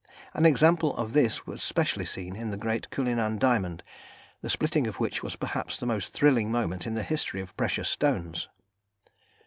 An example of this was specially seen in the great Cullinan diamond, the splitting of which was perhaps the most thrilling moment in the history of precious stones.